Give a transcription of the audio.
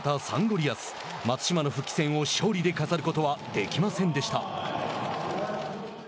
リアス松島の復帰戦を勝利で飾ることはできませんでした。